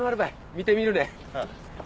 見てみるね？